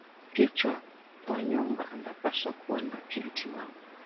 Kichwa wa nyumba anapaswa kuwa na akili timamu